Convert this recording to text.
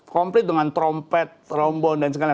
komplit dengan trompet rombon dan segala